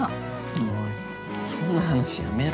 ◆おい、そんな話やめろ◆